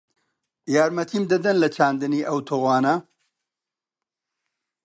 یارمەتیم دەدەن لە چاندنی ئەم تۆوانە؟